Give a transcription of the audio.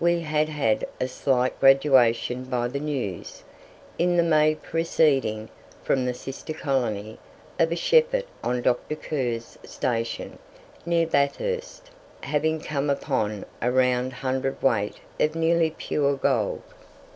We had had a slight graduation by the news, in the May preceding, from the sister colony, of a shepherd on Dr. Kerr's station, near Bathurst, having come upon a round hundredweight of nearly pure gold.